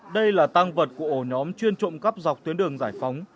đây là tăng vật của ổ nhóm chuyên trộm cắp dọc tuyến đường giải phóng